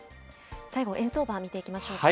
最後、円相場見ていきましょうか。